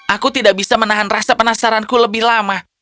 aku tidak bisa menahan rasa penasaranku lebih lama